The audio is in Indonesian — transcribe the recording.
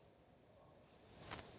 wassalamu'alaikum warahmatullahi wabarakatuh